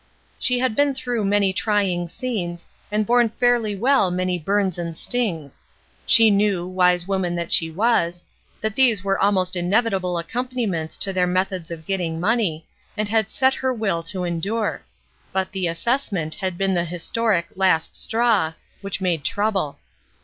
She had been through many trying scenes, and borne fairly well many burns and stings. She knew, wise woman that she was, that these were almost inevitable accompaniments to their methods of getting money, and had set her will to endure; but the assessment had been the historic "last straw" which made trouble.